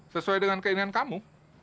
sesuai dengan keinginanmu